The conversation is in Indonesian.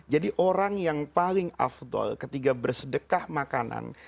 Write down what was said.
jadi orang yang paling afdal ketika bersedekah makanan